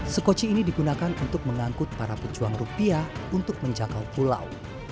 sekoci ini digunakan untuk mengangkut para pejuang rupiah untuk menjangkau pulau